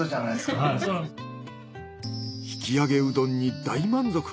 引き上げうどんに大満足。